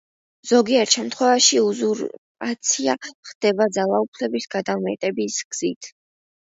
ზოგიერთ შემთხვევაში უზურპაცია ხდება ძალაუფლების გადამეტების გზით.